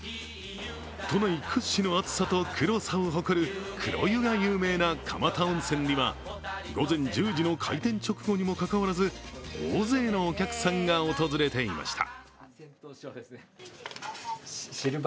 都内屈指の熱さと黒さを誇る黒湯が有名な蒲田温泉には午前１０時の開店直後にもかかわらず大勢のお客さんが訪れていました。